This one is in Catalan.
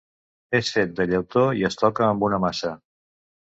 És fet de llautó i es toca amb una maça.